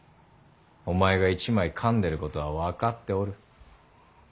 お前が一枚かんでることは分かっておる。